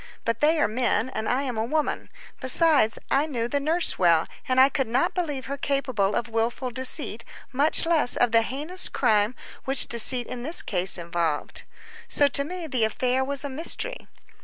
But they are men, and I am a woman; besides, I knew the nurse well, and I could not believe her capable of wilful deceit, much less of the heinous crime which deceit in this case involved. So to me the affair was a mystery.